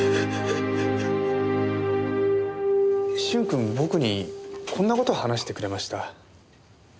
駿君僕にこんな事を話してくれました。